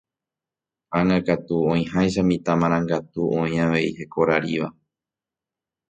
Ág̃a katu oĩháicha mitã marangatu oĩ avei hekoraríva.